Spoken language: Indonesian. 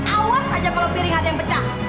awas aja kalau piring ada yang pecah